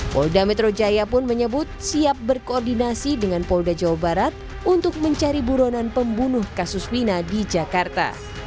polda metro jaya pun menyebut siap berkoordinasi dengan polda jawa barat untuk mencari buronan pembunuh kasus wina di jakarta